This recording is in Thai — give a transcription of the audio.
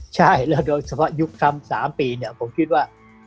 ใช่แล้วโดยเฉพาะยุคทำ๓ปีเนี่ยผมคิดว่า